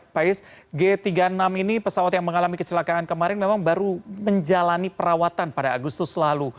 pak is g tiga puluh enam ini pesawat yang mengalami kecelakaan kemarin memang baru menjalani perawatan pada agustus lalu